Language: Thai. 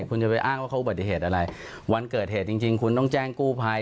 คุณจะไปอ้างว่าเขาอุบัติเหตุอะไรวันเกิดเหตุจริงคุณต้องแจ้งกู้ภัย